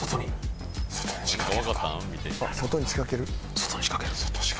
外に仕掛ける。